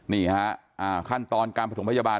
นี่ฮะขั้นตอนการประถมพยาบาล